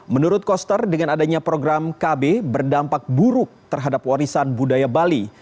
menurut koster dengan adanya program kb berdampak buruk terhadap warisan budaya bali